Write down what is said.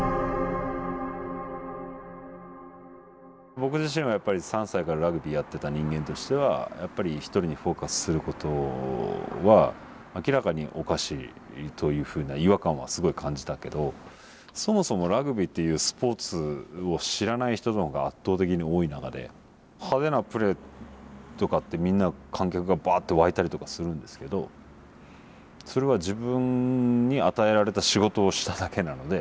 僕自身はやっぱり３歳からラグビーやっていた人間としてはやっぱり一人にフォーカスすることは明らかにおかしいというふうな違和感はすごい感じたけどそもそもラグビーっていうスポーツを知らない人の方が圧倒的に多い中で派手なプレーとかってみんな観客がばっと沸いたりとかするんですけどそれは自分に与えられた仕事をしただけなので。